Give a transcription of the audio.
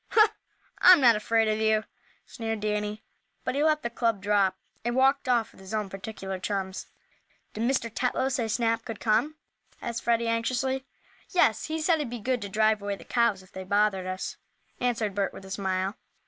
"Huh! I'm not afraid of you," sneered Danny, but he let the club drop, and walked off with his own particular chums. "Did Mr. Tetlow say Snap could come?" asked Freddie, anxiously. "Yes. He said he'd be good to drive away the cows if they bothered us," answered Bert, with a smile.